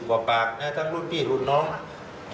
คือว่าเจ้าท่านไม่ตกเหลี่ยมในแล้ว